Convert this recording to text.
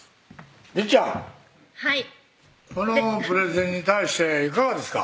りっちゃんはいこのプレゼンに対していかがですか？